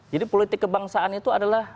jadi politik kebangsaan itu adalah